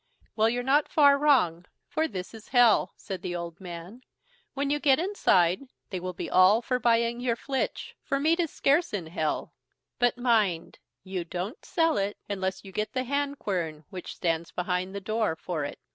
"Well, you're not far wrong, for this is Hell", said the old man; "when you get inside they will be all for buying your flitch, for meat is scarce in Hell; but mind, you don't sell it unless you get the hand quern which stands behind the door for it.